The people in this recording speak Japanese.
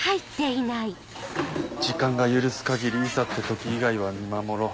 時間が許す限りいざって時以外は見守ろう。